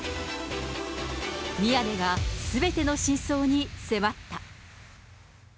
宮根がすべての真相に迫った。